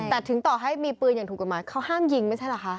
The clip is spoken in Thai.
แต่ถึงต่อให้มีปืนอย่างถูกกฎหมายเขาห้ามยิงไม่ใช่เหรอคะ